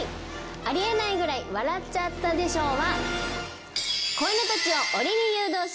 ありえないぐらい笑っちゃったで賞は。